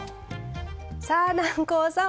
さあ南光さん